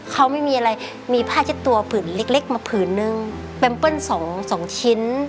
เขาไม่มีอะไรมีผ้าเช็ดตัวผื่นเล็กเล็กมาผืนนึงแมมเปิ้ลสองสองชิ้น